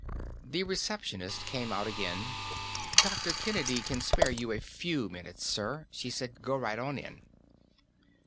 The receptionist came out again. "Dr. Kennedy can spare you a few minutes, sir," she said. "Go right on in."